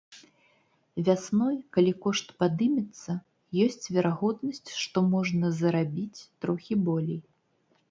Вясной, калі кошт падымецца, ёсць верагоднасць, што можна зарабіць трохі болей.